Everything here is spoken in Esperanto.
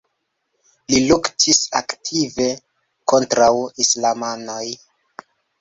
Li luktis aktive kontraŭ islamanoj.